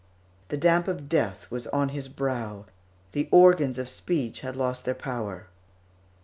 The damp of death was on his brow, the organs of speech had lost their power.